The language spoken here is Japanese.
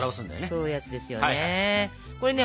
そういうヤツですよね。